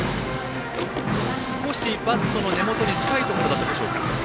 少しバットの根元に近いところでしたか。